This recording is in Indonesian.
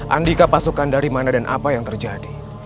andika pasukan dari mana dan apa yang terjadi